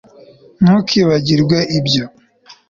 ntukibagirwe ibyo